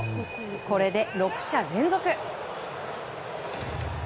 これで６者連続。